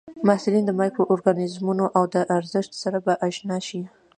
محصلین د مایکرو ارګانیزمونو او د ارزښت سره به اشنا شي.